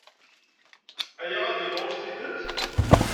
Aya ad yeḍru s tidet?